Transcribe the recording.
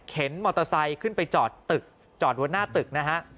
มอเตอร์ไซค์ขึ้นไปจอดตึกจอดบนหน้าตึกนะฮะ